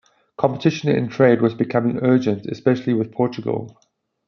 Competition in trade was becoming urgent, especially with Portugal.